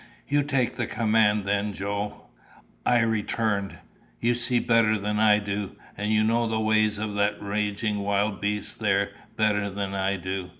"You take the command, then, Joe," I returned. "You see better than I do, and you know the ways of that raging wild beast there better than I do.